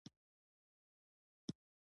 خوب د ښکلا احساس زیاتوي